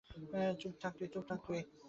চুপ থাক তুই।